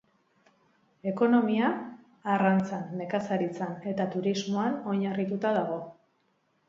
Ekonomia arrantzan nekazaritzan eta turismoan oinarrituta dago.